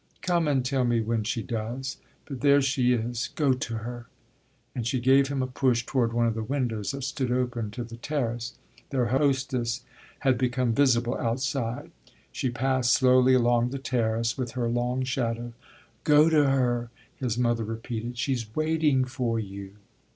"Come and tell me when she does! But there she is go to her!" And she gave him a push toward one of the windows that stood open to the terrace. Their hostess had become visible outside; she passed slowly along the terrace with her long shadow. "Go to her," his mother repeated "she's waiting for you."